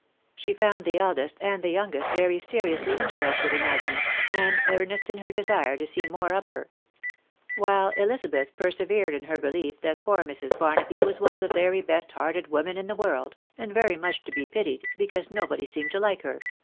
She found the eldest and the youngest very seriously iatexsted in Agnes, and earnest in their desire to see more of her ; while Elizabeth persevered in her belief that poor Mrs. Barnaby was one of the very best^hearted women in the world, and Tory much to be pitied, 'because nobody seemed to like her..